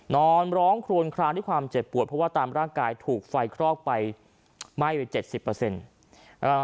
นอนร้องโคลนครามด้วยความเจ็บปวดเพราะว่าตามร่างกายถูกไฟเคราะห์ไปไหม้ไป๗๐